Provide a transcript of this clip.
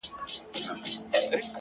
پوهه له کنجکاو ذهن سره مینه لري.!